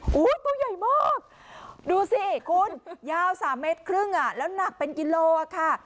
โอ้โหตัวใหญ่มากดูสิคุณยาว๓เมตรครึ่งอ่ะแล้วหนักเป็นกิโลค่ะ